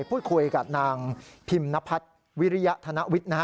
พูดคุยกับนางพิมนพัฒน์วิริยธนวิทย์นะฮะ